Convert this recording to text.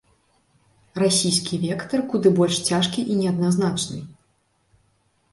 Расійскі вектар куды больш цяжкі і неадназначны.